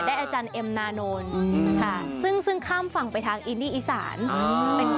อาจารย์เอ็มนานนท์ค่ะซึ่งข้ามฝั่งไปทางอินดี้อีสาน